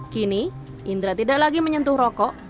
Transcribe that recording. kini indra tidak lagi menyentuh rokok